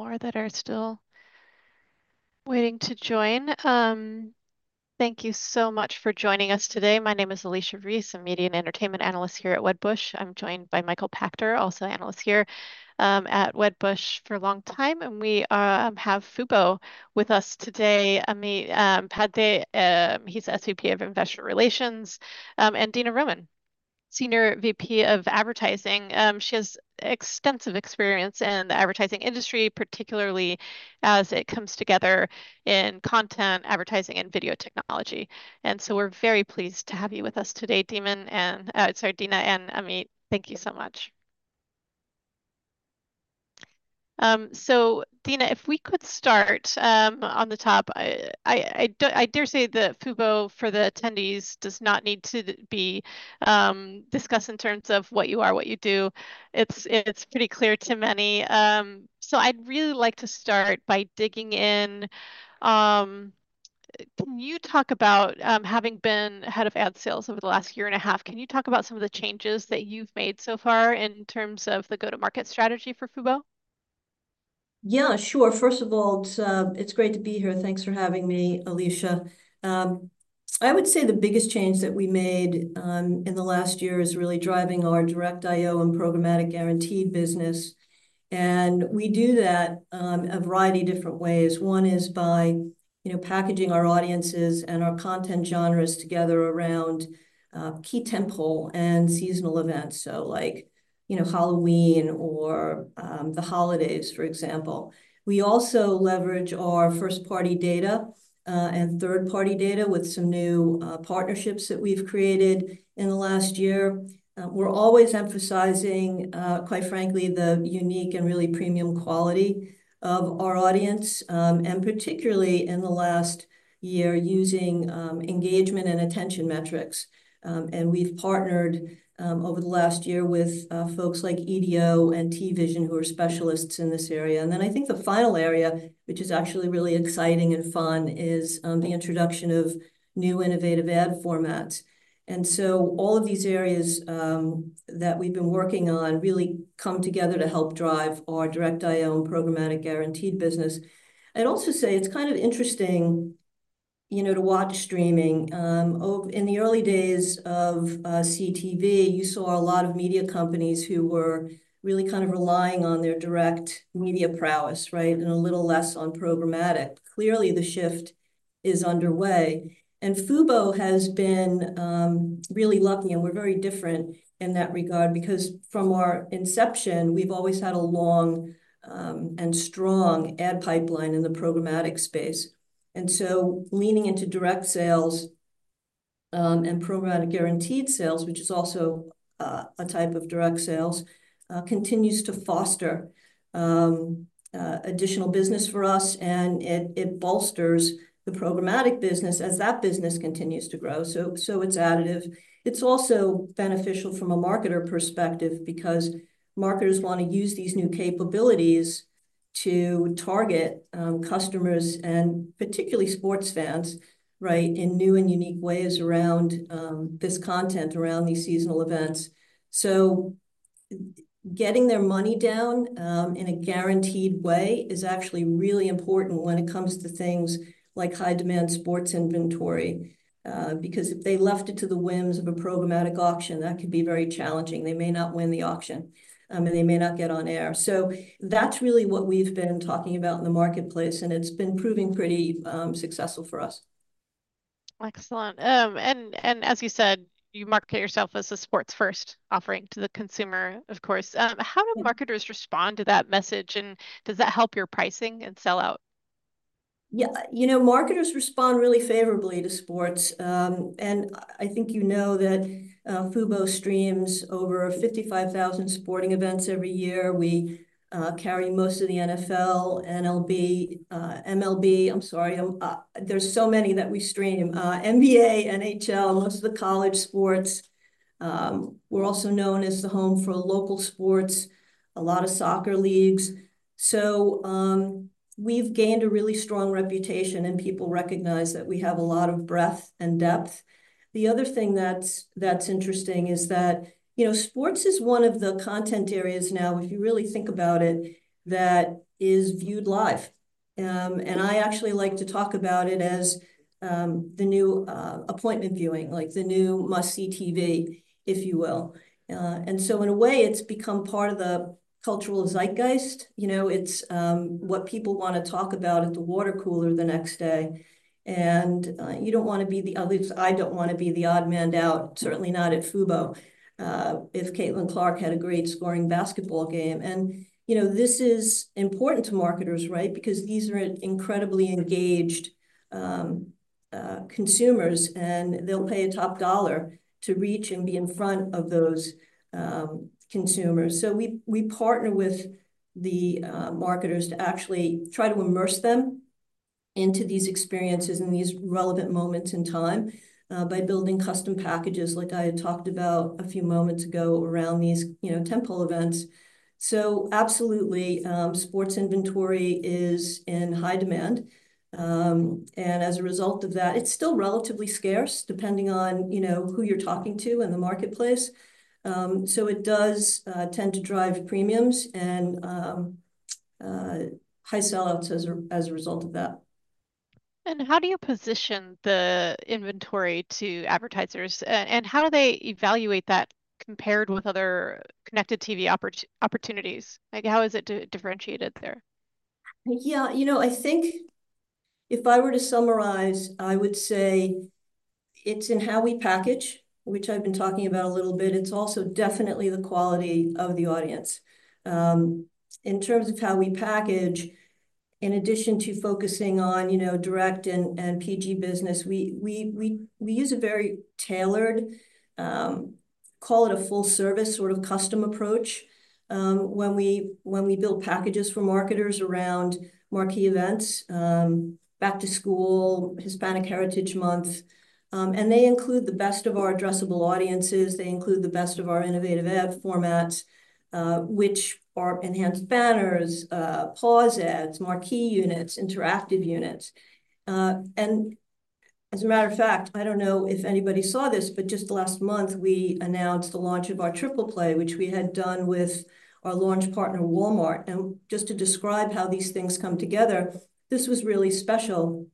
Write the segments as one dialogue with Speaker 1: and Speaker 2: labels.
Speaker 1: I have a couple more that are still waiting to join. Thank you so much for joining us today. My name is Alicia Reese, a media and entertainment analyst here at Wedbush. I'm joined by Michael Pachter, also an analyst here at Wedbush for a long time, and we have Fubo with us today. Amit Patte, he's SVP of Investor Relations, and Dina Roman, Senior VP of Advertising. She has extensive experience in the advertising industry, particularly as it comes together in content, advertising, and video technology. And so we're very pleased to have you with us today, Dina and Amit, thank you so much. So, Dina, if we could start on the top, I dare say that Fubo, for the attendees, does not need to be discussed in terms of what you are, what you do. It's pretty clear to many. So I'd really like to start by digging in. Can you talk about having been head of ad sales over the last year and a half. Can you talk about some of the changes that you've made so far in terms of the go-to-market strategy for Fubo?
Speaker 2: Yeah, sure. First of all, it's, it's great to be here. Thanks for having me, Alicia. I would say the biggest change that we made, in the last year is really driving our direct IO and programmatic guaranteed business, and we do that, a variety of different ways. One is by, you know, packaging our audiences and our content genres together around, key tentpole and seasonal events, so like, you know, Halloween or, the holidays, for example. We also leverage our first-party data, and third-party data with some new, partnerships that we've created in the last year. We're always emphasizing, quite frankly, the unique and really premium quality of our audience, and particularly in the last year, using, engagement and attention metrics. And we've partnered over the last year with folks like EDO and TVision, who are specialists in this area. And then I think the final area, which is actually really exciting and fun, is the introduction of new innovative ad formats. And so all of these areas that we've been working on really come together to help drive our direct IO and programmatic guaranteed business. I'd also say it's kind of interesting, you know, to watch streaming. In the early days of CTV, you saw a lot of media companies who were really kind of relying on their direct media prowess, right, and a little less on programmatic. Clearly, the shift is underway, and Fubo has been really lucky, and we're very different in that regard because from our inception, we've always had a long and strong ad pipeline in the programmatic space. And so leaning into direct sales and programmatic guaranteed sales, which is also a type of direct sales, continues to foster additional business for us, and it bolsters the programmatic business as that business continues to grow. So it's additive. It's also beneficial from a marketer perspective because marketers wanna use these new capabilities to target customers and particularly sports fans, right, in new and unique ways around this content, around these seasonal events. So getting their money down, in a guaranteed way is actually really important when it comes to things like high-demand sports inventory, because if they left it to the whims of a programmatic auction, that could be very challenging. They may not win the auction, and they may not get on air. So that's really what we've been talking about in the marketplace, and it's been proving pretty successful for us.
Speaker 1: Excellent, and as you said, you market yourself as a sports-first offering to the consumer, of course. How do marketers respond to that message, and does that help your pricing and sell-out?
Speaker 2: Yeah, you know, marketers respond really favorably to sports, and I think you know that, Fubo streams over 55,000 sporting events every year. We carry most of the NFL,MLB, I'm sorry, there's so many that we stream, NBA, NHL, most of the college sports. We're also known as the home for local sports, a lot of soccer leagues, so, we've gained a really strong reputation, and people recognize that we have a lot of breadth and depth. The other thing that's interesting is that, you know, sports is one of the content areas now, if you really think about it, that is viewed live. And I actually like to talk about it as the new appointment viewing, like the new must-see TV, if you will. And so in a way, it's become part of the cultural zeitgeist. You know, it's what people wanna talk about at the water cooler the next day, and you don't wanna be the, at least I don't wanna be the odd man out, certainly not at Fubo, if Caitlin Clark had a great scoring basketball game. And you know, this is important to marketers, right? Because these are incredibly engaged consumers, and they'll pay top dollar to reach and be in front of those consumers. So we partner with the marketers to actually try to immerse them into these experiences and these relevant moments in time, by building custom packages like I had talked about a few moments ago around these, you know, tentpole events. Absolutely, sports inventory is in high demand, and as a result of that, it's still relatively scarce, depending on, you know, who you're talking to in the marketplace. It does tend to drive premiums and high sell-outs as a result of that.
Speaker 1: And how do you position the inventory to advertisers? And how do they evaluate that compared with other connected TV opportunities? Like, how is it differentiated there?
Speaker 2: Yeah, you know, I think if I were to summarize, I would say it's in how we package, which I've been talking about a little bit. It's also definitely the quality of the audience. In terms of how we package, in addition to focusing on, you know, direct and PG business, we use a very tailored, call it a full service sort of custom approach, when we build packages for marketers around marquee events, back to school, Hispanic Heritage Month, and they include the best of our addressable audiences. They include the best of our innovative ad formats, which are enhanced banners, pause ads, marquee units, interactive units. And as a matter of fact, I don't know if anybody saw this, but just last month, we announced the launch of our Triple Play, which we had done with our launch partner, Walmart. And just to describe how these things come together, this was really special,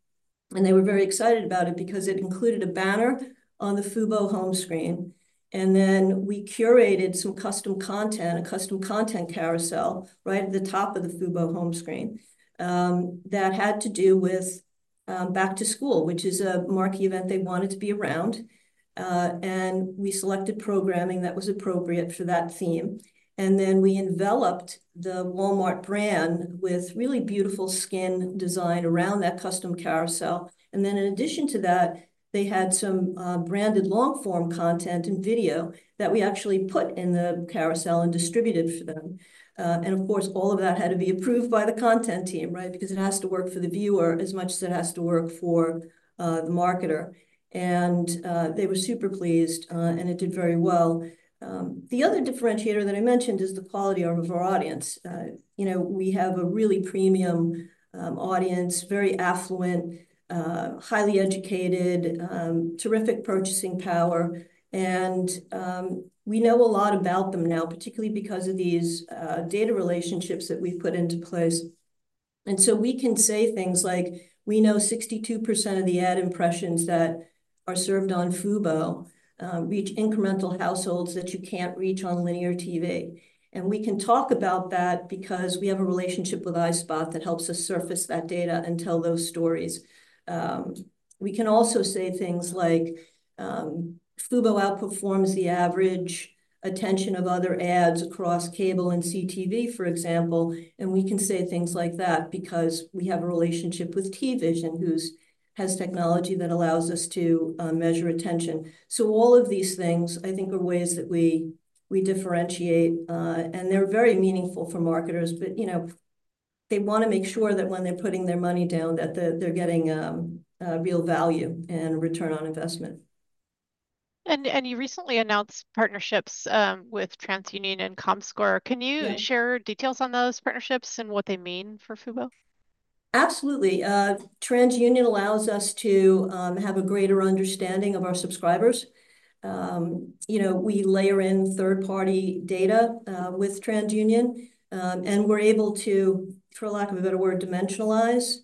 Speaker 2: and they were very excited about it because it included a banner on the Fubo home screen, and then we curated some custom content, a custom content carousel, right at the top of the Fubo home screen. That had to do with back to school, which is a marquee event they wanted to be around. And we selected programming that was appropriate for that theme, and then we enveloped the Walmart brand with really beautiful skin design around that custom carousel. And then in addition to that, they had some branded long-form content and video that we actually put in the carousel and distributed for them. And of course, all of that had to be approved by the content team, right? Because it has to work for the viewer as much as it has to work for the marketer. And they were super pleased, and it did very well. The other differentiator that I mentioned is the quality of our audience. You know, we have a really premium audience, very affluent, highly educated, terrific purchasing power, and we know a lot about them now, particularly because of these data relationships that we've put into place. And so we can say things like: We know 62% of the ad impressions that are served on Fubo reach incremental households that you can't reach on linear TV. And we can talk about that because we have a relationship with iSpot that helps us surface that data and tell those stories. We can also say things like, Fubo outperforms the average attention of other ads across cable and CTV, for example, and we can say things like that because we have a relationship with TVision, which has technology that allows us to measure attention. So all of these things, I think, are ways that we differentiate, and they're very meaningful for marketers. But, you know, they wanna make sure that when they're putting their money down, that they're getting a real value and return on investment.
Speaker 1: And you recently announced partnerships with TransUnion and Comscore.
Speaker 2: Yeah.
Speaker 1: Can you share details on those partnerships and what they mean for Fubo?
Speaker 2: Absolutely. TransUnion allows us to have a greater understanding of our subscribers. You know, we layer in third-party data with TransUnion, and we're able to, for lack of a better word, dimensionalize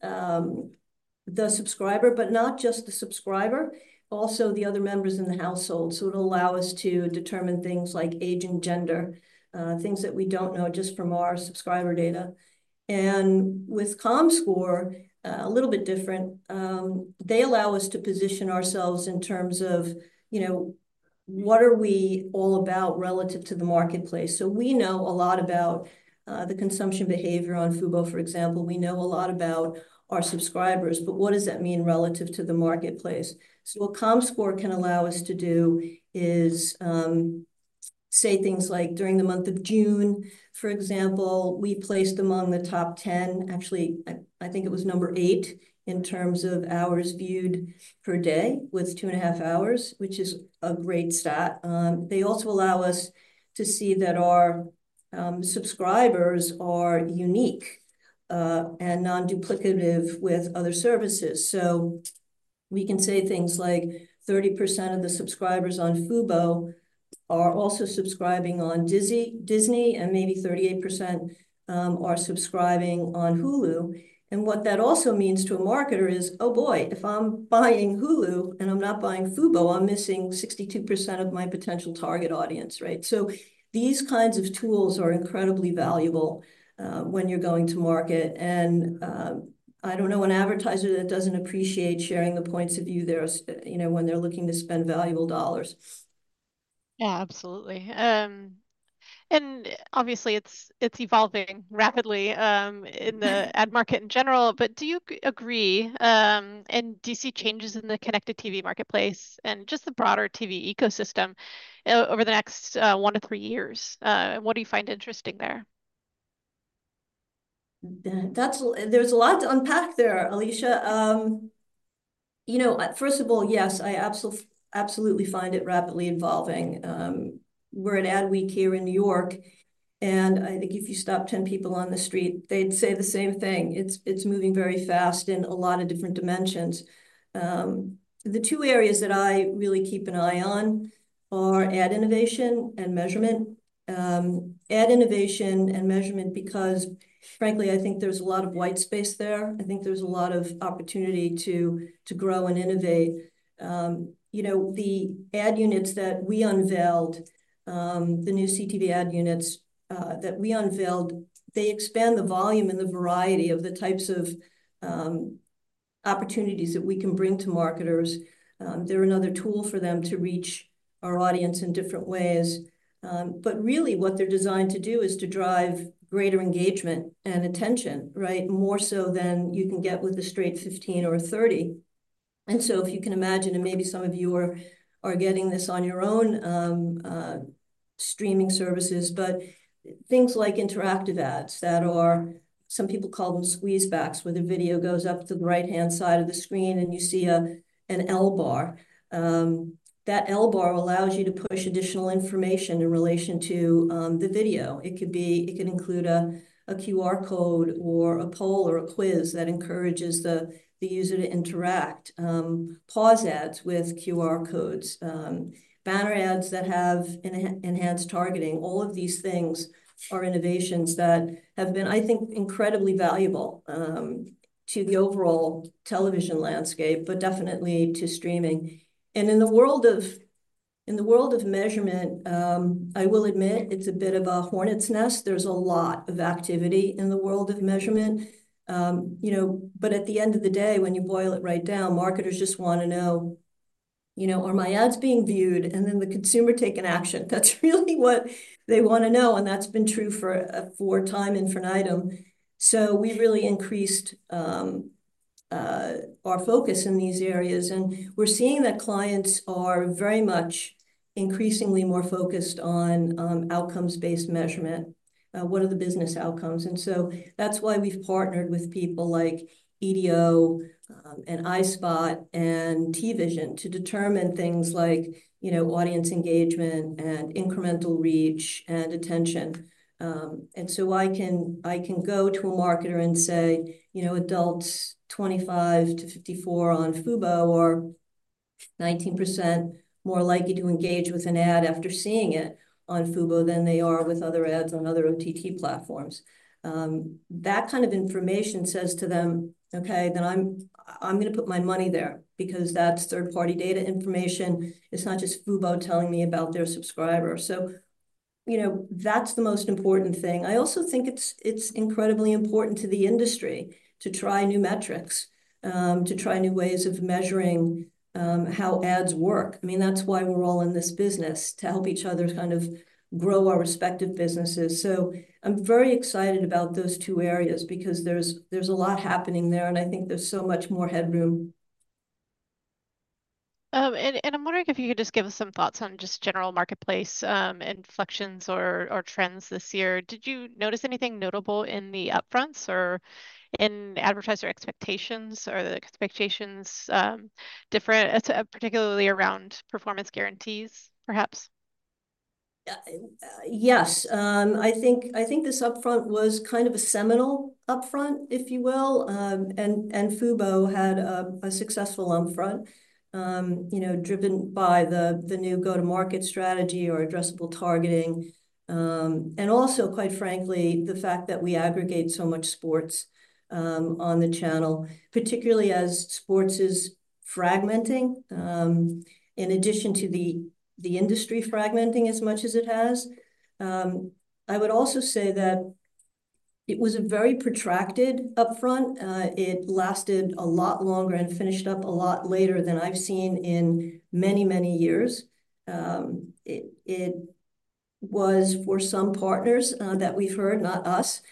Speaker 2: the subscriber, but not just the subscriber, also the other members in the household. So it'll allow us to determine things like age and gender, things that we don't know just from our subscriber data. And with Comscore, a little bit different. They allow us to position ourselves in terms of, you know, what are we all about relative to the marketplace? So we know a lot about the consumption behavior on Fubo, for example. We know a lot about our subscribers, but what does that mean relative to the marketplace? So what Comscore can allow us to do is, say things like, during the month of June, for example, we placed among the top 10, actually, I think it was number eight, in terms of hours viewed per day, with two and a half hours, which is a great stat. They also allow us to see that our subscribers are unique and non-duplicative with other services. So we can say things like, 30% of the subscribers on Fubo are also subscribing on Disney and maybe 38% are subscribing on Hulu. And what that also means to a marketer is, "Oh, boy, if I'm buying Hulu and I'm not buying Fubo, I'm missing 62% of my potential target audience," right? So these kinds of tools are incredibly valuable when you're going to market. I don't know an advertiser that doesn't appreciate sharing the points of view there, you know, when they're looking to spend valuable dollars.
Speaker 1: Yeah, absolutely, and obviously, it's evolving rapidly, in the- market in general, but do you agree? And do you see changes in the connected TV marketplace and just the broader TV ecosystem over the next one to three years? And what do you find interesting there?
Speaker 2: That's. There's a lot to unpack there, Alicia. You know, first of all, yes, I absolutely find it rapidly evolving. We're at Adweek here in New York, and I think if you stop 10 people on the street, they'd say the same thing. It's moving very fast in a lot of different dimensions. The two areas that I really keep an eye on are ad innovation and measurement. Ad innovation and measurement because frankly, I think there's a lot of white space there. I think there's a lot of opportunity to grow and innovate. You know, the ad units that we unveiled, the new CTV ad units, that we unveiled, they expand the volume and the variety of the types of opportunities that we can bring to marketers. They're another tool for them to reach our audience in different ways, but really what they're designed to do is to drive greater engagement and attention, right? More so than you can get with a straight fifteen or a thirty, and so if you can imagine, and maybe some of you are getting this on your own streaming services, but things like interactive ads that are, some people call them squeeze backs, where the video goes up to the right-hand side of the screen and you see an L-bar. That L-bar allows you to push additional information in relation to the video. It could be, it could include a QR code or a poll or a quiz that encourages the user to interact. Pause ads with QR codes, banner ads that have enhanced targeting. All of these things are innovations that have been, I think, incredibly valuable to the overall television landscape, but definitely to streaming. And in the world of measurement, I will admit it's a bit of a hornet's nest. There's a lot of activity in the world of measurement. You know, but at the end of the day, when you boil it right down, marketers just wanna know, you know, "Are my ads being viewed, and then the consumer taking action?" That's really what they wanna know, and that's been true for time infinitum. So we've really increased our focus in these areas, and we're seeing that clients are very much increasingly more focused on outcomes-based measurement. What are the business outcomes? And so that's why we've partnered with people like EDO, and iSpot, and TVision to determine things like, you know, audience engagement and incremental reach and attention. And so I can go to a marketer and say, "You know, adults 25-54 on Fubo are 19% more likely to engage with an ad after seeing it on Fubo than they are with other ads on other OTT platforms." That kind of information says to them, "Okay, then I'm gonna put my money there," because that's third-party data information. It's not just Fubo telling me about their subscriber. So, you know, that's the most important thing. I also think it's incredibly important to the industry to try new metrics, to try new ways of measuring, how ads work. I mean, that's why we're all in this business, to help each other kind of grow our respective businesses. So I'm very excited about those two areas because there's a lot happening there, and I think there's so much more headroom.
Speaker 1: I'm wondering if you could just give us some thoughts on just general marketplace inflections or trends this year. Did you notice anything notable in the upfronts or in advertiser expectations? Are the expectations different, particularly around performance guarantees, perhaps?
Speaker 2: Yes. I think this upfront was kind of a seminal upfront, if you will. Fubo had a successful upfront, you know, driven by the new go-to-market strategy or addressable targeting. Also, quite frankly, the fact that we aggregate so much sports on the channel, particularly as sports is fragmenting, in addition to the industry fragmenting as much as it has. I would also say that it was a very protracted upfront. It lasted a lot longer and finished up a lot later than I've seen in many years. It was for some partners that we've heard, not us,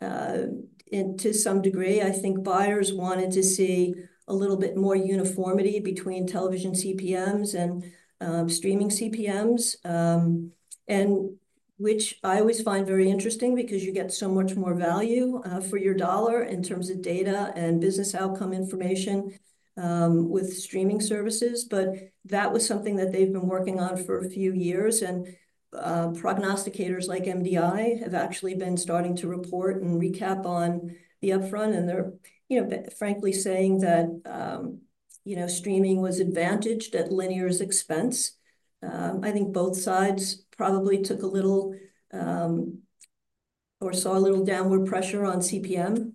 Speaker 2: contentious, and to some degree, I think buyers wanted to see a little bit more uniformity between television CPMs and streaming CPMs. And which I always find very interesting because you get so much more value for your dollar in terms of data and business outcome information with streaming services. But that was something that they've been working on for a few years, and prognosticators like MDI have actually been starting to report and recap on the upfront, and they're, you know, frankly saying that, you know, streaming was advantaged at linear's expense. I think both sides probably took a little, or saw a little downward pressure on CPM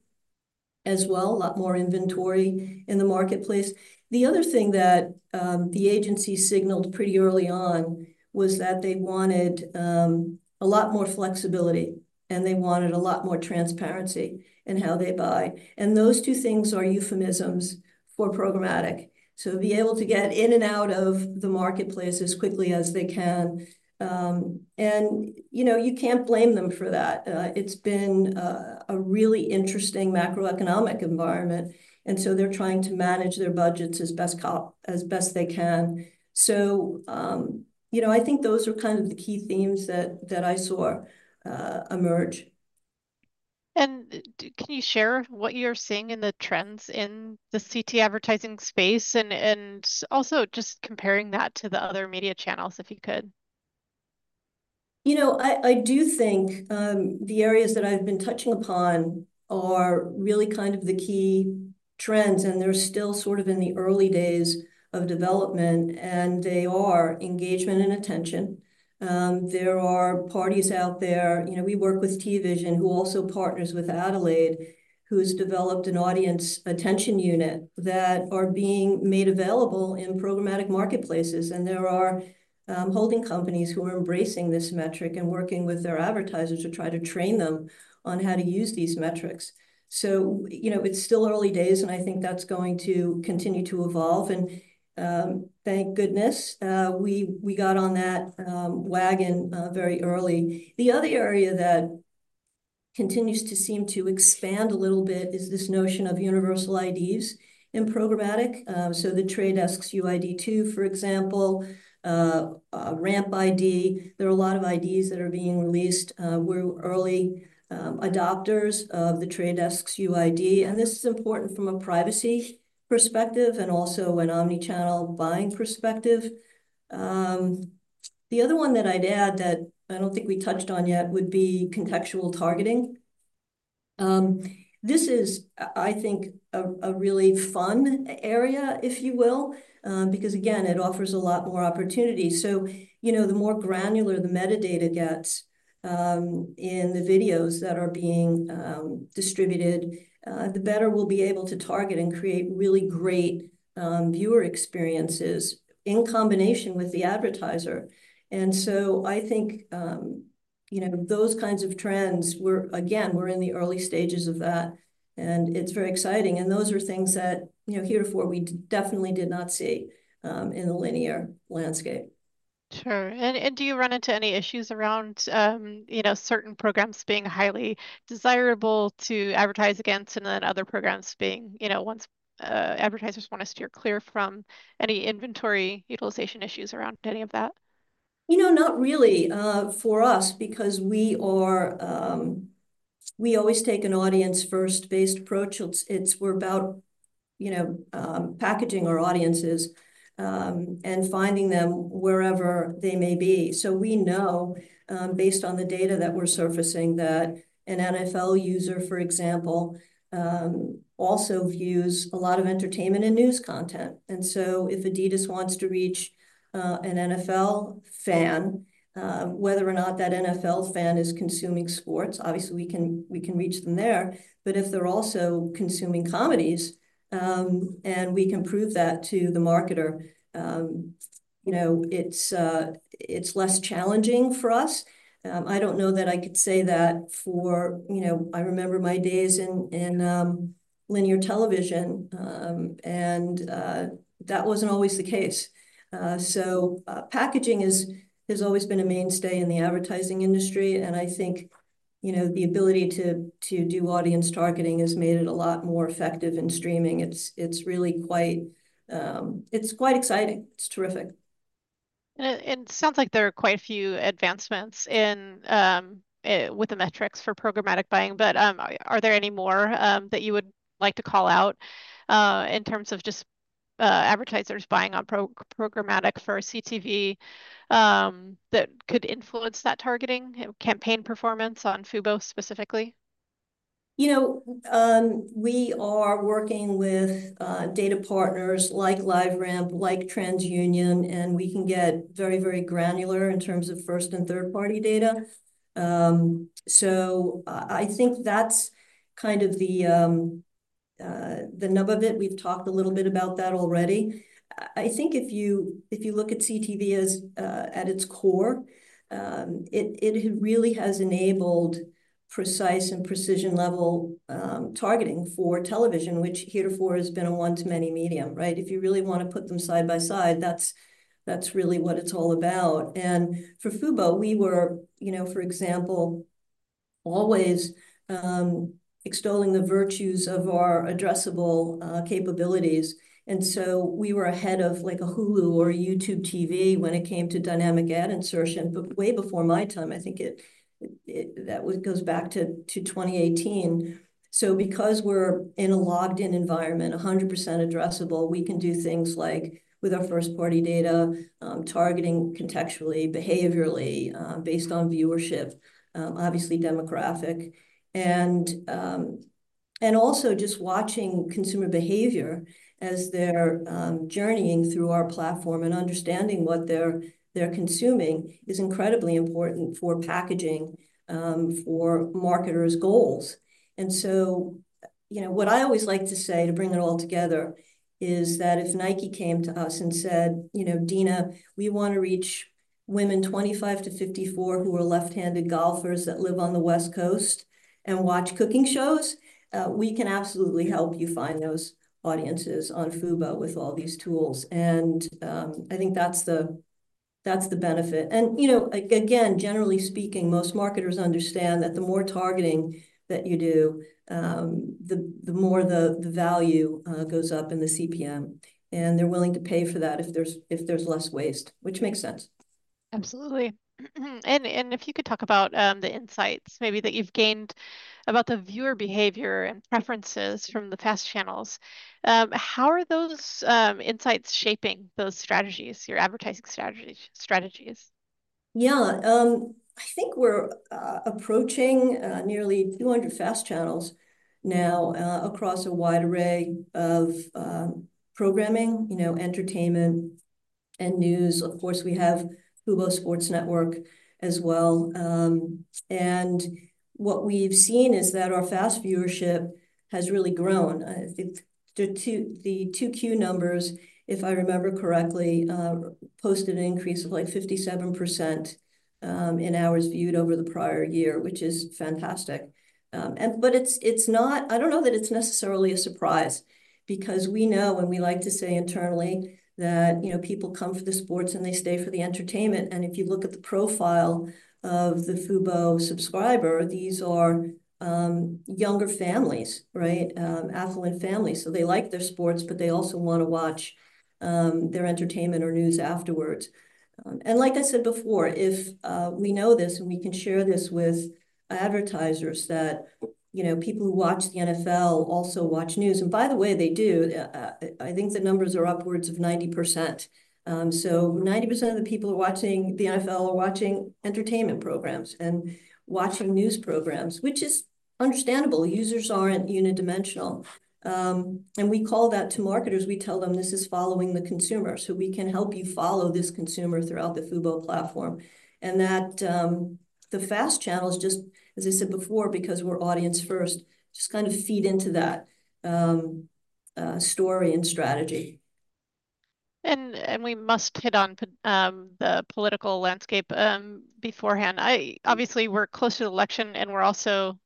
Speaker 2: as well, a lot more inventory in the marketplace. The other thing that the agency signaled pretty early on was that they wanted a lot more flexibility, and they wanted a lot more transparency in how they buy. And those two things are euphemisms for programmatic, so be able to get in and out of the marketplace as quickly as they can. You know, you can't blame them for that. It's been a really interesting macroeconomic environment, and so they're trying to manage their budgets as best they can. You know, I think those are kind of the key themes that I saw emerge.
Speaker 1: And can you share what you're seeing in the trends in the CPM advertising space, and also just comparing that to the other media channels, if you could?
Speaker 2: You know, I do think the areas that I've been touching upon are really kind of the key trends, and they're still sort of in the early days of development, and they are engagement and attention. There are parties out there, you know, we work with TVision, who also partners with Adelaide, who's developed an audience attention unit that are being made available in programmatic marketplaces. And there are holding companies who are embracing this metric and working with their advertisers to try to train them on how to use these metrics. So, you know, it's still early days, and I think that's going to continue to evolve, and thank goodness we got on that wagon very early. The other area that continues to seem to expand a little bit is this notion of universal IDs in programmatic. So The Trade Desk's UID2, for example, a RampID. There are a lot of IDs that are being released. We're early adopters of The Trade Desk's UID, and this is important from a privacy perspective and also an omni-channel buying perspective. The other one that I'd add that I don't think we touched on yet would be contextual targeting. This is, I think, a really fun area, if you will, because again, it offers a lot more opportunity. You know, the more granular the metadata gets in the videos that are being distributed, the better we'll be able to target and create really great viewer experiences in combination with the advertiser. And so I think, you know, those kinds of trends. We're again in the early stages of that, and it's very exciting. Those are things that, you know, heretofore we definitely did not see in the linear landscape.
Speaker 1: Sure. And do you run into any issues around, you know, certain programs being highly desirable to advertise against, and then other programs being, you know, ones, advertisers want to steer clear from any inventory utilization issues around any of that?
Speaker 2: You know, not really, for us because we are, we always take an audience-first based approach. It's, it's we're about, you know, packaging our audiences, and finding them wherever they may be. So we know, based on the data that we're surfacing, that an NFL user, for example, also views a lot of entertainment and news content. And so if Adidas wants to reach, an NFL fan, whether or not that NFL fan is consuming sports, obviously, we can, we can reach them there. But if they're also consuming comedies, and we can prove that to the marketer, you know, it's, it's less challenging for us. I don't know that I could say that for... You know, I remember my days in, in, linear television, and, that wasn't always the case. So, packaging has always been a mainstay in the advertising industry, and I think, you know, the ability to do audience targeting has made it a lot more effective in streaming. It's really quite exciting. It's terrific.
Speaker 1: And it sounds like there are quite a few advancements with the metrics for programmatic buying, but are there any more that you would like to call out in terms of just advertisers buying on programmatic for CTV that could influence that targeting, campaign performance on Fubo specifically?
Speaker 2: You know, we are working with, data partners like LiveRamp, like TransUnion, and we can get very, very granular in terms of first- and third-party data. So I, I think that's kind of the, the nub of it. We've talked a little bit about that already. I, I think if you, if you look at CTV as, at its core, it, it really has enabled precise and precision-level, targeting for television, which heretofore has been a one-to-many medium, right? If you really wanna put them side by side, that's, that's really what it's all about. And for Fubo, we were, you know, for example, always extolling the virtues of our addressable capabilities, and so we were ahead of, like, a Hulu or a YouTube TV when it came to dynamic ad insertion, but way before my time, I think it that goes back to 2018. So because we're in a logged-in environment, 100% addressable, we can do things like with our first-party data targeting contextually, behaviorally based on viewership, obviously demographic. And also just watching consumer behavior as they're journeying through our platform and understanding what they're consuming is incredibly important for packaging for marketers' goals. And so, you know, what I always like to say, to bring it all together, is that if Nike came to us and said, "You know, Dina, we wanna reach women twenty-five to fifty-four who are left-handed golfers that live on the West Coast and watch cooking shows," we can absolutely help you find those audiences on Fubo with all these tools. And, I think that's the, that's the benefit. And, you know, again, generally speaking, most marketers understand that the more targeting that you do, the, the more the, the value goes up in the CPM, and they're willing to pay for that if there's, if there's less waste, which makes sense.
Speaker 1: Absolutely. And if you could talk about the insights maybe that you've gained about the viewer behavior and preferences from the FAST channels. How are those insights shaping those strategies, your advertising strategies?
Speaker 2: Yeah, I think we're approaching nearly 200 fast channels now across a wide array of programming, you know, entertainment and news. Of course, we have Fubo Sports Network as well. And what we've seen is that our fast viewership has really grown. I think the 2Q numbers, if I remember correctly, posted an increase of, like, 57% in hours viewed over the prior year, which is fantastic. But it's not. I don't know that it's necessarily a surprise, because we know and we like to say internally that, you know, people come for the sports, and they stay for the entertainment. And if you look at the profile of the Fubo subscriber, these are younger families, right? Affluent families, so they like their sports, but they also want to watch their entertainment or news afterwards. Like I said before, if we know this, and we can share this with advertisers that, you know, people who watch the NFL also watch news, and by the way, they do. I think the numbers are upwards of 90%. So 90% of the people watching the NFL are watching entertainment programs and watching news programs, which is understandable. Users aren't unidimensional. We call that to marketers. We tell them, "This is following the consumer, so we can help you follow this consumer throughout the Fubo platform." That, the fast channels, just as I said before, because we're audience first, just kind of feed into that story and strategy.
Speaker 1: We must hit on the political landscape beforehand. Obviously, we're close to the election, and we're also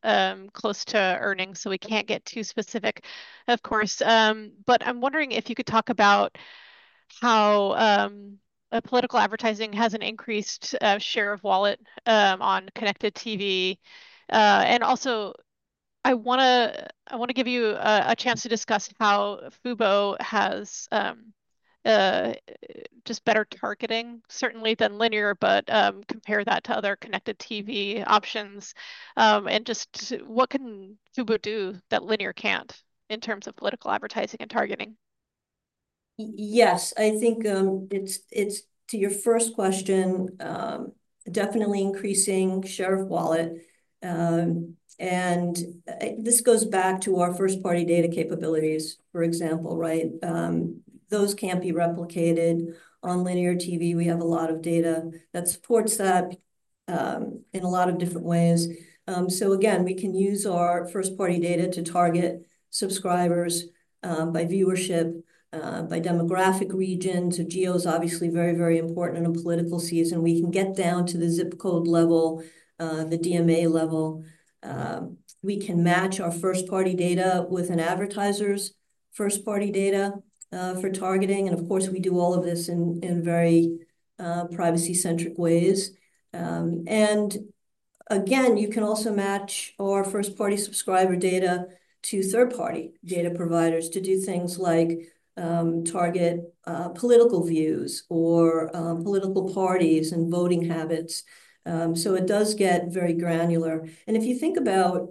Speaker 1: close to earnings, so we can't get too specific, of course, but I'm wondering if you could talk about how political advertising has an increased share of wallet on connected TV, and also, I wanna give you a chance to discuss how Fubo has just better targeting certainly than linear, but compare that to other connected TV options, and just what can Fubo do that linear can't in terms of political advertising and targeting?
Speaker 2: Yes, I think it's to your first question, definitely increasing share of wallet. This goes back to our first-party data capabilities, for example, right? Those can't be replicated on linear TV. We have a lot of data that supports that in a lot of different ways. So again, we can use our first-party data to target subscribers by viewership by demographic region, so geo is obviously very, very important in a political season. We can get down to the zip code level, the DMA level. We can match our first-party data with an advertiser's first-party data for targeting, and of course, we do all of this in very privacy-centric ways. And again, you can also match our first-party subscriber data to third-party data providers to do things like target political views or political parties and voting habits. So it does get very granular. And if you think about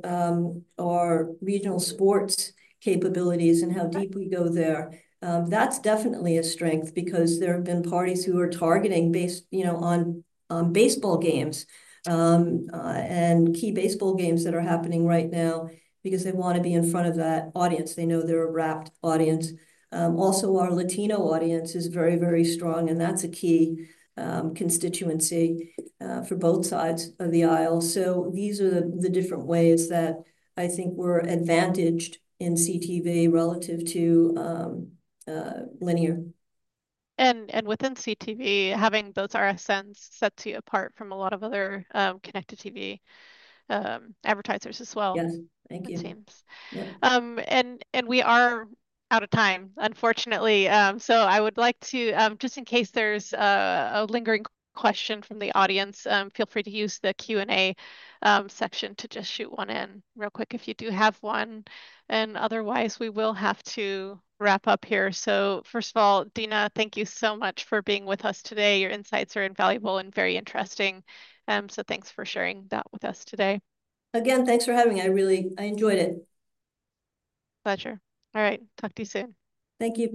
Speaker 2: our regional sports capabilities and how deep we go there, that's definitely a strength because there have been parties who are targeting based, you know, on baseball games and key baseball games that are happening right now because they wanna be in front of that audience. They know they're a rapt audience. Also, our Latino audience is very, very strong, and that's a key constituency for both sides of the aisle. So these are the different ways that I think we're advantaged in CTV relative to linear.
Speaker 1: Within CTV, having those RSNs sets you apart from a lot of other connected TV advertisers as well-
Speaker 2: Yes. Thank you.
Speaker 1: -it seems. And we are out of time, unfortunately. So I would like to, just in case there's a lingering question from the audience, feel free to use the Q&A section to just shoot one in real quick if you do have one, and otherwise, we will have to wrap up here. So first of all, Dina, thank you so much for being with us today. Your insights are invaluable and very interesting, so thanks for sharing that with us today.
Speaker 2: Again, thanks for having me. I really I enjoyed it.
Speaker 1: Pleasure. All right, talk to you soon.
Speaker 2: Thank you. Bye.